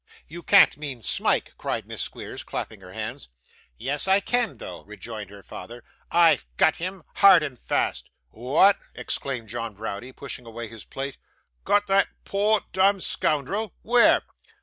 'You can't mean Smike?' cried Miss Squeers, clapping her hands. 'Yes, I can though,' rejoined her father. 'I've got him, hard and fast.' 'Wa'at!' exclaimed John Browdie, pushing away his plate. 'Got that poor dom'd scoondrel? Where?